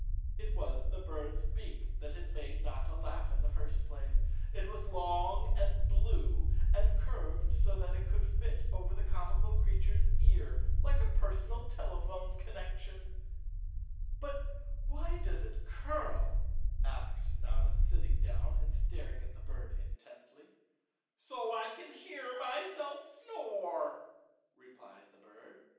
It was the bird's beak that had made Notta laugh in the first place. It was long and blue, and curved so that it could fit over the comical creature's ear like a personal telephone connection. "But why does it curl?" asked Notta, sitting down and staring at the bird intently. 160 Notta disguised as a huge fish — Chapter 14 _ Chapter Twelve " So I can hear myself snore," replied the bird.